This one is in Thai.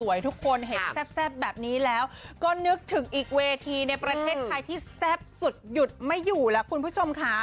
ทุกคนเห็นแซ่บแบบนี้แล้วก็นึกถึงอีกเวทีในประเทศไทยที่แซ่บสุดหยุดไม่อยู่แล้วคุณผู้ชมค่ะ